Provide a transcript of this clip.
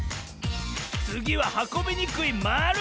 つぎははこびにくいまる！